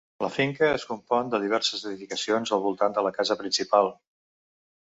La finca es compon de diverses edificacions al voltant de la casa principal.